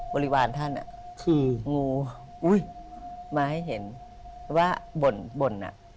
บริวารท่านคืองูมาให้เห็นว่าบ่นอ่ะ